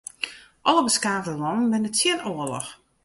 Alle beskaafde lannen binne tsjin oarloch.